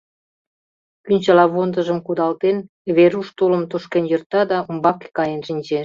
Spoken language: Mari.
Кӱнчылавондыжым кудалтен, Веруш тулым тошкен йӧрта да умбаке каен шинчеш.